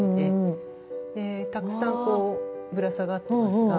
でたくさんこうぶら下がってますが。